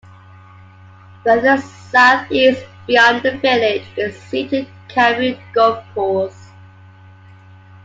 Further south east beyond the village is Seaton Carew Golf Course.